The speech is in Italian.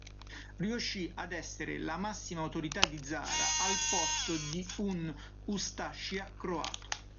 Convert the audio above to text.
Riuscì ad essere la massima autorità di Zara al posto di un ustascia croato.